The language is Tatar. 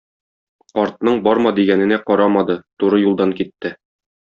Картның барма дигәненә карамады, туры юлдан китте.